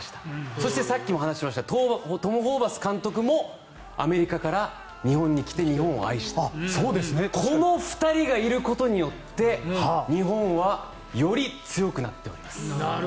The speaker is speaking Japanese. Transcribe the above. そしてさっきもお話ししましたトム・ホーバス監督もアメリカから日本に来て日本を愛したこの２人がいることによって日本はより強くなっております。